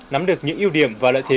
nắm được những ưu điểm và lợi thế